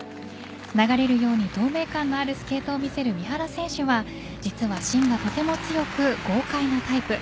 流れるように透明感のあるスケートを見せる三原選手は、実は芯がとても強く豪快なタイプ。